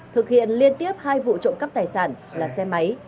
thực hiện liên tiếp hai vụ trộm cắp tài sản là xe máy